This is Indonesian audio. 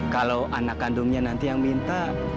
kalau anak kandungnya nanti yang minta